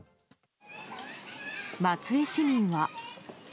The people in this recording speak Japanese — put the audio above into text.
松江市民は。